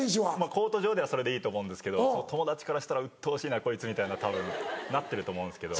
コート上ではそれでいいと思うんですけど友達からしたらうっとうしいなこいつみたいなたぶんなってると思うんですけど。